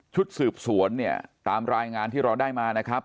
ชุดสืบสวนเนี่ยตามรายงานที่เราได้มานะครับ